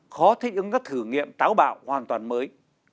khó thích ứng các thử nghiệm táo bạo hoàn toàn mới